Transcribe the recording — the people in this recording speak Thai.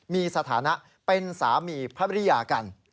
มีสถานะเป็นสามีภรรยากัน